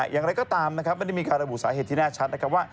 อย่างไรก็ตามนะครับไม่ได้มีการระบุสาเหตุที่แน่ชัดนะครับว่า